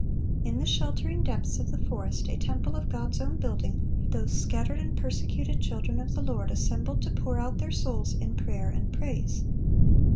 In the sheltering depths of the forest, a temple of God's own building, those scattered and persecuted children of the Lord assembled to pour out their souls in prayer and praise.